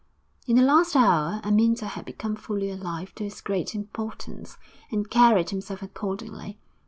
In the last hour Amyntas had become fully alive to his great importance, and carried himself accordingly.